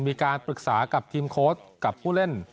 มีการปรึกษากับทีมโค้ชกับผู้เล่น